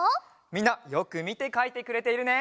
みんなよくみてかいてくれているね！